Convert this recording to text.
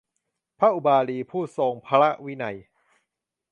พระอุบาลี ผู้ทรงพระวินัย